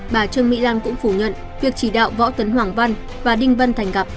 bà trương mỹ lan cũng phủ nhận việc chỉ đạo võ tấn hoàng văn và đinh vân thành gặp